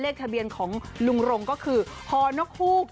เลขทะเบียนของลุงรงก็คือฮอนกฮูก